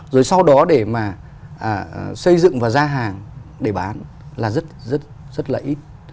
rồi sau đó để mà xây dựng và ra hàng để bán là rất là ít